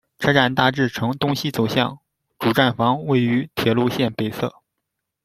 车站大致呈东西走向，主站房位于铁路线北侧。